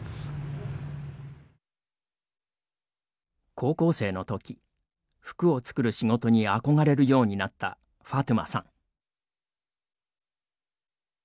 高校生のとき服を作る仕事に憧れるようになったファトゥマさん。